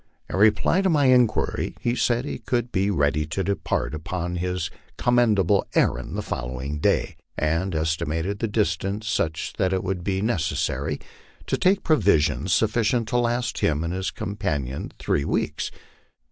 In reply to my inquiry, he said he could be ready to depart upon his commendable er rand the following day, and estimated the distance such that it would be ne cessary to take provision sufficient to last him and his companion three weeks.